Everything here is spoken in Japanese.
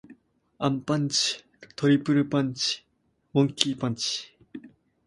アンパンチ。トリプルパンチ。モンキー・パンチ。